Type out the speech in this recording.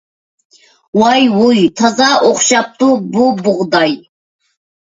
ۋاي-ۋۇي، تازا ئوخشاپتۇ بۇ بۇغداي!